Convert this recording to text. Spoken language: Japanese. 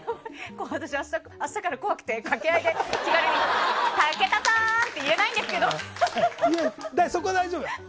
私、明日から怖くて掛け合いで気軽に武田さん！ってそこは大丈夫。